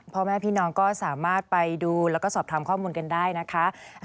พ่อแม่พี่น้องก็สามารถไปดูแล้วก็สอบถามข้อมูลกันได้นะคะ